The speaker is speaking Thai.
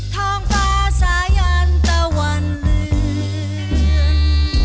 ท้องฟ้าสายันตะวันเลือน